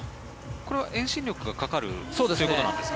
これは遠心力がかかるということなんですか？